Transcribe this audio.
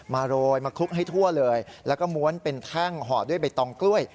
มันเป็นแข้งห่อด้วยใบตองกล้วย